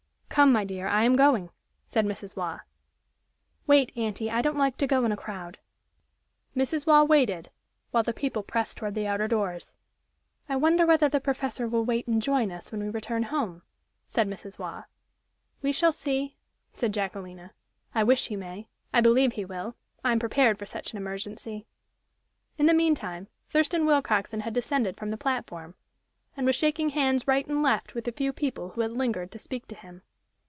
"Come, my dear, I am going," said Mrs. Waugh. "Wait, aunty, I don't like to go in a crowd." Mrs. Waugh waited while the people pressed toward the outer doors. "I wonder whether the professor will wait and join us when we return home?" said Mrs. Waugh. "We shall see," said Jacquelina. "I wish he may. I believe he will. I am prepared for such an emergency." In the meantime, Thurston Willcoxen had descended from the platform, and was shaking hands right and left with the few people who had lingered to speak to him.